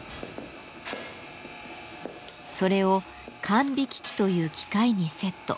それを管引機という機械にセット。